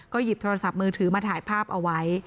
หยิบโทรศัพท์มือถือมาถ่ายภาพเอาไว้